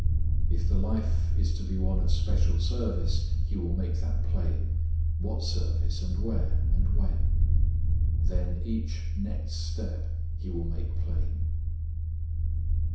If the life is to be one of special service He will make that plain, what service, and where, and when. Then each next step He will make plain.